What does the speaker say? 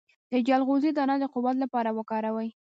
د چلغوزي دانه د قوت لپاره وکاروئ